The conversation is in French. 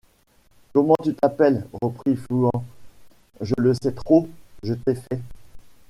Comment tu t’appelles ? reprit Fouan, je le sais trop, je t’ai fait.